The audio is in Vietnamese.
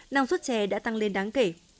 năng suất trẻ đã tăng lên đáng kể